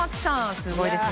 すごいですね。